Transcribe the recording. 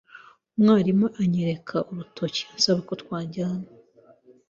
Umwarimu anyereka urutoki ansaba ko twajyana.